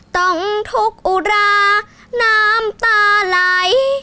ต้องทุกข์อุราน้ำตาไหล